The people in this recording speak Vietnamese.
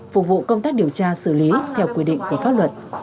phục vụ công tác điều tra xử lý theo quy định của pháp luật